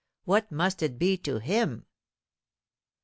What must it be to him?"